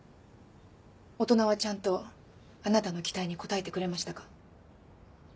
大人はちゃんとあなたの期待に応えてくれましたか？